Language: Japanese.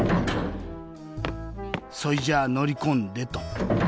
そいじゃあのりこんでと。